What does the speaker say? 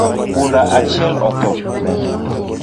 Punda achiel otho